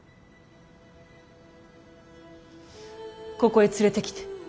ここへ連れてきて。